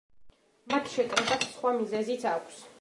მათ შეკრებას სხვა მიზეზიც აქვს.